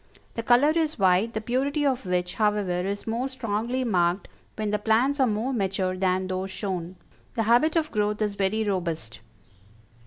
The color is white, the purity of which, however, is more strongly marked when the plants are more mature than those shown; the habit of growth is very robust."